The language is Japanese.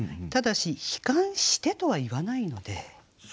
ただし「避寒して」とは言わないので。